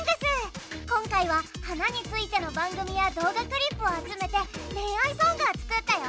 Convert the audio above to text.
今回は花についての番組や動画クリップを集めて恋愛ソングを作ったよ。